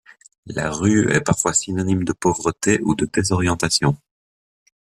La rue est parfois synonyme de pauvreté, ou de désorientation.